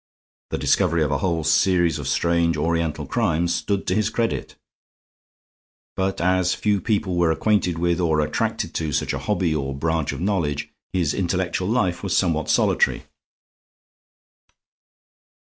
The discovery of a whole series of strange Oriental crimes stood to his credit. But as few people were acquainted with, or attracted to, such a hobby or branch of knowledge, his intellectual life was somewhat solitary.